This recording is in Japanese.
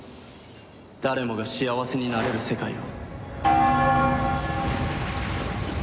誰もが幸せになれる世界を。